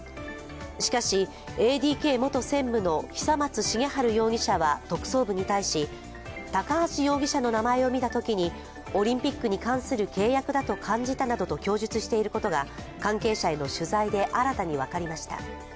しかし、ＡＤＫ元専務の久松茂治容疑者は特捜部に対し、高橋容疑者の名前を見たときにオリンピックに関する契約だと感じたなどと供述していることが関係者への取材で新たに分かりました。